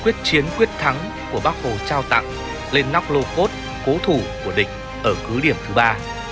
quyết chiến quyết thắng của bác hồ trao tặng lên nóc lô cốt cố thủ của địch ở cứ điểm thứ ba